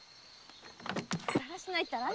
だらしないったら！